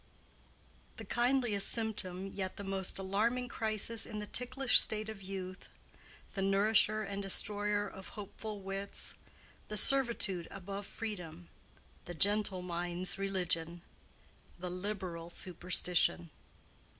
"The kindliest symptom, yet the most alarming crisis in the ticklish state of youth; the nourisher and destroyer of hopeful wits; the servitude above freedom; the gentle mind's religion; the liberal superstition."